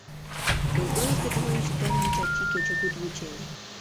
Григорий Петрович толмым Чачи кечыгут вучен.